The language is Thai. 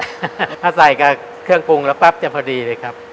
ถ้าใส่กับเครื่องปรุงแล้วปั๊บจะพอดีเลยครับ